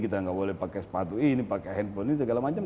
kita nggak boleh pakai sepatu ini pakai handphone ini segala macam